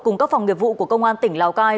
cùng các phòng nghiệp vụ của công an tỉnh lào cai